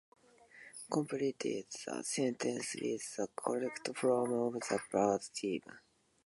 Complete the sentences with the correct form of the verb given.